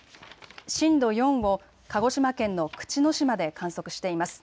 震度４を鹿児島県の口之島で観測しています。